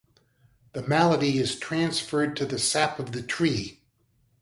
The malady is transferred to the sap of the tree.